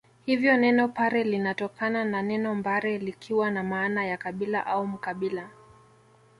Hivyo neno Pare linatokana na neno mbare likiwa na maana ya kabila au Mkabila